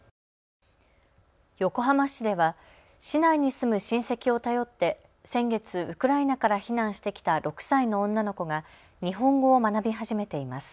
横浜市では市内に住む親戚を頼って先月、ウクライナから避難してきた６歳の女の子が日本語を学び始めています。